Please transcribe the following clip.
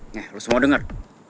nih lu semua denger